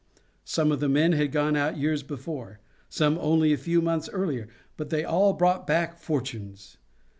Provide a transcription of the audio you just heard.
Some of the men had gone out years before; some only a few months earlier, but they all brought back fortunes.